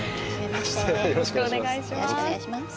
よろしくお願いします。